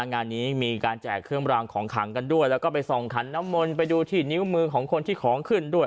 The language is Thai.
งานนี้มีการแจกเครื่องรางของขังกันด้วยแล้วก็ไปส่องขันน้ำมนต์ไปดูที่นิ้วมือของคนที่ของขึ้นด้วย